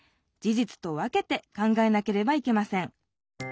じつと分けて考えなければいけません。